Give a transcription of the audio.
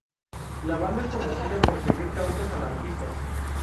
La banda es conocida por seguir causas anarquistas.